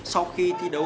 sau khi thi đấu